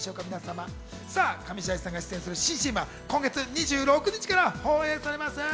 上白石さんが出演する新ＣＭは今月２６日から放映されます。